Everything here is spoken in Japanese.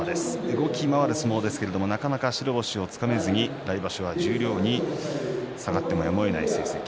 動き回る相撲ですけれどなかなか白星をつかめずに来場所は十両に下がってもやむをえない成績。